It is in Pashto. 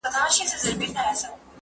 غوا ئې و غيه، چي غړکه ئې مرداره سي.